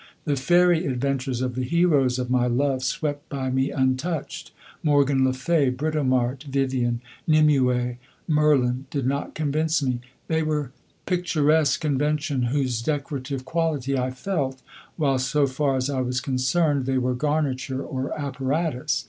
The fairy adventures of the heroes of my love swept by me untouched. Morgan le Fay, Britomart, Vivien, Nimue, Merlin did not convince me; they were picturesque conventions whose decorative quality I felt, while so far as I was concerned they were garniture or apparatus.